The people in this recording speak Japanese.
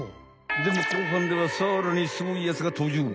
でも後半ではさらにスゴいやつが登場！